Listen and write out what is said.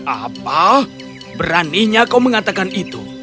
apa beraninya kau mengatakan itu